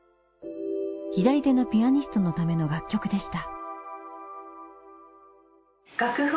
左手のピアニストのための楽曲でした。